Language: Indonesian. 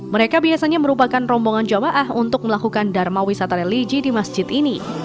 mereka biasanya merupakan rombongan jamaah untuk melakukan dharma wisata religi di masjid ini